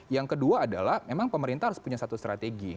yang kedua adalah memang pemerintah harus punya satu strategi